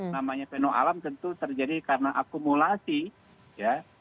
namanya feno alam tentu terjadi karena akumulasi ya